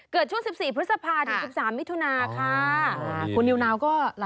เกิดช่วง๑๔พฤษภาถิ่ง๑๓มิถุนาค่ะ